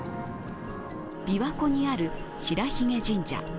琵琶湖にある白鬚神社。